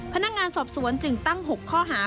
พนักงานสอบสวนจึงตั้ง๖ข้อหา